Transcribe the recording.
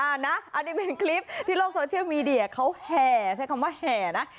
อันนี้เป็นคลิปที่โลกโซเชียลมีเดียเขาแห่ใช้คำว่าแห่นะ